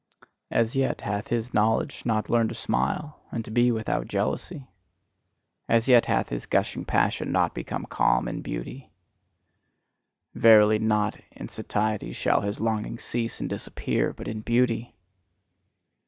As yet hath his knowledge not learned to smile, and to be without jealousy; as yet hath his gushing passion not become calm in beauty. Verily, not in satiety shall his longing cease and disappear, but in beauty!